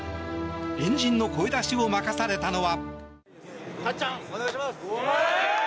円陣の声出しを任されたのは。